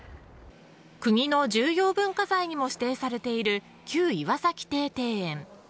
国の重要文化財にも指定されている旧岩崎邸庭園。